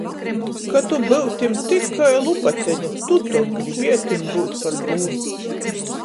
Ka tu byutim tikai lupateņa, tu tok gribietim byut par buru!